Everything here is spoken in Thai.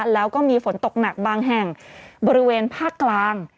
แล้วก็มีฝนตกหนักบางแห่งบริเวณภาคกลาง